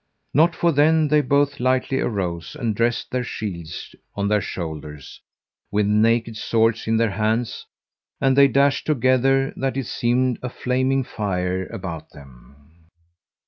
Not for then they both lightly arose and dressed their shields on their shoulders, with naked swords in their hands, and they dashed together that it seemed a flaming fire about them.